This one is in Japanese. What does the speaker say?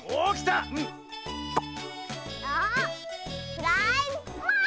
フライパーン！